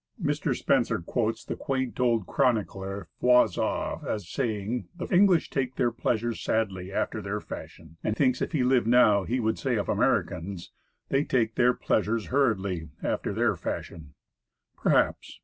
Mr. Spencer quotes that quaint old chronicler, Froissart, as saying, "the English take their pleasures sadly, after their fashion;" and thinks if he lived now, he would say o'f Americans, "they take their pleasures hurriedly, after their fashion." Perhaps.